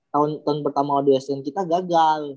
tahun pertama o dua sn kita gagal